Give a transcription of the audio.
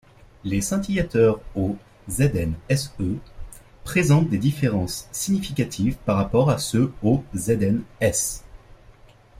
Les scintillateurs aux ZnSe présentent des différences significatives par rapport à ceux au ZnS.